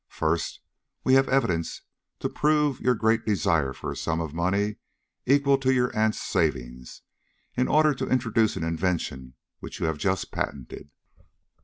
First, we have evidence to prove your great desire for a sum of money equal to your aunt's savings, in order to introduce an invention which you have just patented.